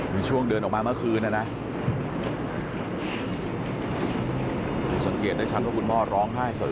มีช่วงเดินออกมาเมื่อคืนนะนะ